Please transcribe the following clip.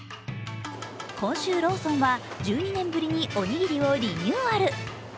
今週ローソンは１２年ぶりにおにぎりをリニューアル。